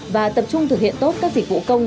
và tập trung thực hiện tốt các dịch vụ công